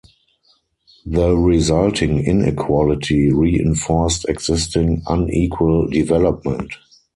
The resulting inequality reinforced existing unequal development.